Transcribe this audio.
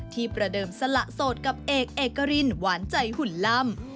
ประเดิมสละโสดกับเอกเอกรินหวานใจหุ่นล่ำ